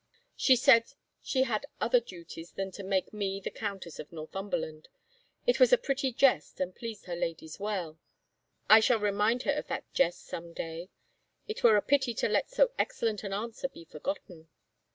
... She said she had other duties than to mAke me the Countess of Northumberland. It was a pretty jest and pleased her ladies well. ... I shall remind her of that jest some day — it were a pity to let so excellent an answer be forgotten."